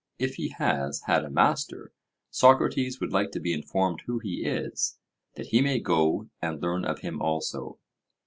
If he has had a master, Socrates would like to be informed who he is, that he may go and learn of him also.